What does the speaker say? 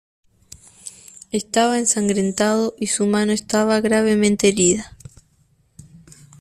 Estaba ensangrentado y su mano estaba gravemente herida.